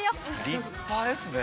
立派ですね。